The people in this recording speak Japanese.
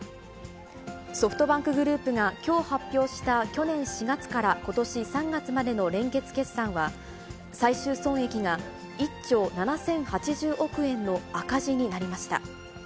ソフトバンクグループがきょう発表した、去年４月からことし３月までの連結決算は、最終損益が１兆７０８０億円の赤字になりました。